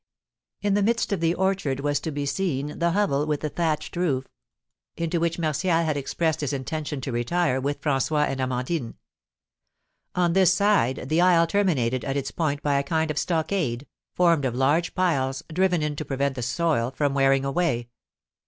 In the midst of the orchard was to be seen the hovel, with the thatched roof, into which Martial had expressed his intention to retire with François and Amandine. On this side, the isle terminated at its point by a kind of stockade, formed of large piles, driven in to prevent the soil from wearing away.